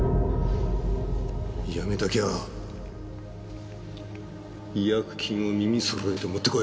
辞めたきゃ違約金を耳揃えて持ってこい。